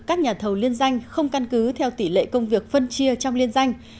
các nhà thầu liên danh không căn cứ theo tỷ lệ công việc phân chia trong liên danh